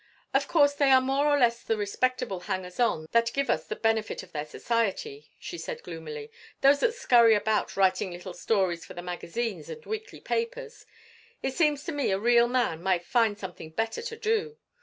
"Of course, they are more or less the respectable hangers on that give us the benefit of their society," she said, gloomily. "Those that scurry about writing little stories for the magazines and weekly papers—it seems to me a real man might find something better to do.